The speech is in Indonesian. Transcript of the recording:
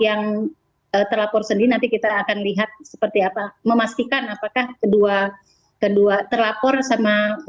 yang terlapor sendiri nanti kita akan lihat seperti apa memastikan apakah kedua kedua terlapor sama